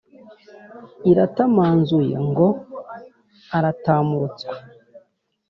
iratamanzuye ngo aratamurutswe.